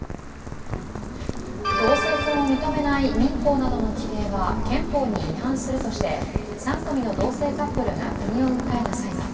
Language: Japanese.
同性婚を認めない民法などの規定は、憲法に違反するとして３組の同性カップルが国を訴えた裁判。